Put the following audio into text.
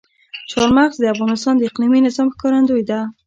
چار مغز د افغانستان د اقلیمي نظام ښکارندوی ده.